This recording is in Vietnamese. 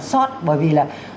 xót bởi vì là